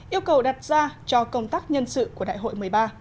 yêu cầu đặt ra cho công tác nhân sự của đại hội một mươi ba